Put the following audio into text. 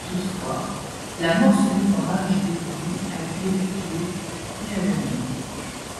Toutefois, l'amorce des forages des puits a été effectuée, puis ajournée.